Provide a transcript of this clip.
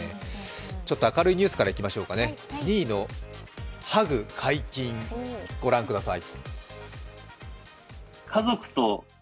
ちょっと明るいニュースからいきましょうかね、２位のハグ解禁、ご覧ください。